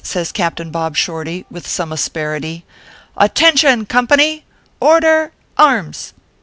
says Captain Bob Shorty, with some asperity, "Attention, Company ! Order Arms